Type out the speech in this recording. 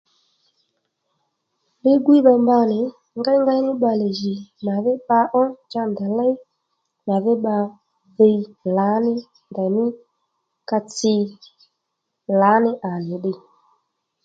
Li-gwíydha mba nì ngéyngéy ní bbalè jì màdhí bba ó cha ndèy léy màdhí bba dhiy lǎní ndèymí ka tsi lǎní à nì ddiy